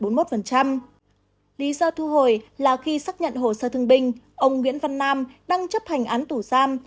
lý do thu hồi là khi xác nhận hồ sơ thương binh ông nguyễn văn nam đang chấp hành án tù giam